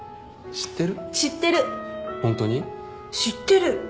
知ってる。